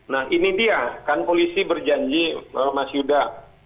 nah ini dia kan polisi berjanji mas yuda